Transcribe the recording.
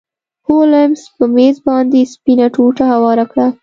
هولمز په میز باندې سپینه ټوټه هواره کړه.